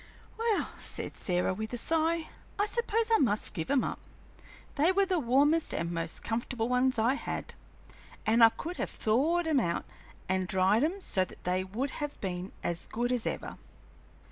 "Well," said Sarah, with a sigh, "I suppose I must give 'em up; they were the warmest and most comfortable ones I had, and I could have thawed 'em out and dried 'em so that they would have been as good as ever.